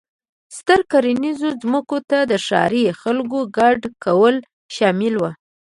ستر کرنیزو ځمکو ته د ښاري خلکو کډه کول شامل و.